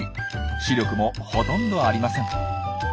視力もほとんどありません。